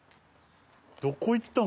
どこ行ったん？